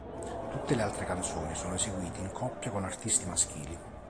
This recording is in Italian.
Tutte le altre canzoni sono eseguite in coppia con artisti maschili.